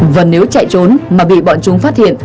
và nếu chạy trốn mà bị bọn chúng phát hiện